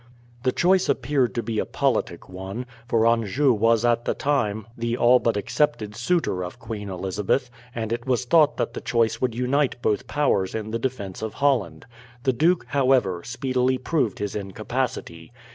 The choice appeared to be a politic one, for Anjou was at the time the all but accepted suitor of Queen Elizabeth, and it was thought that the choice would unite both powers in defence of Holland. The duke, however, speedily proved his incapacity.